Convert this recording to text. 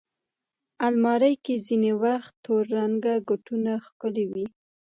الماري کې ځینې وخت تور رنګه کوټونه ښکلي وي